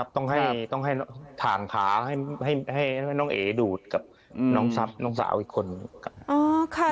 ต้องให้ถ่านขาให้น้องเอ๋ดูดกับน้องทรัพย์น้องสาวอีกคน